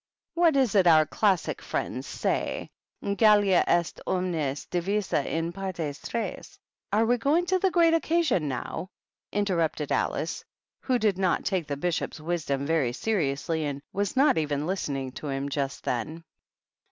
What is it our f fy THE BISHOPS. 187 classic friends say ?—^ Gallia est omnis divisa in partes tresJ Are we going to the great Occasion nowf^ interrupted Alice, who did not take the Bishop's wisdom very seriously, and was not even listening to him just then.